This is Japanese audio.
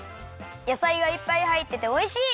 やさいがいっぱいはいってておいしい！